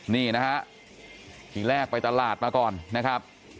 นี่นะฮะทีแรกไปตลาดมาก่อนนะครับ